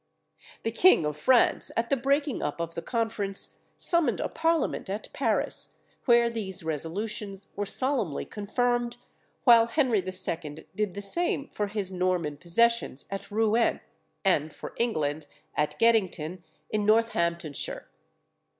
The king of France, at the breaking up of the conference, summoned a parliament at Paris, where these resolutions were solemnly confirmed, while Henry II. did the same for his Norman possessions at Rouen, and for England at Geddington, in Northamptonshire.